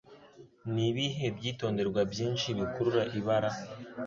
Nibihe Byitonderwa Byinshi Bikurura Ibara